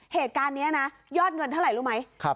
เหตุการณ์นี้นะยอดเงินเท่าไหร่รู้ไหม